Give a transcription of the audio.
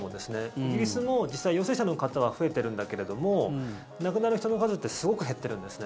イギリスも実際、陽性者の方は増えているんだけれども亡くなる人の数ってすごく減っているんですね。